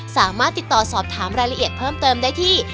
สามารถติดต่อสอบถามรายละเอียดเพิ่มเติมได้ที่